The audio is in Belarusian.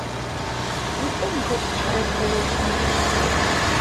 Ніхто не хоча чытаць пра вечнае.